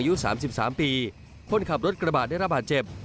อายุ๓๓ปีคนขับรถกระบาดได้รับบาดเจ็บ